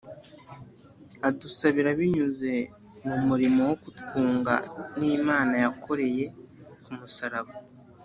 Adusabira binyuze mu murimo wo kutwunga n'Imana yakoreye ku musaraba.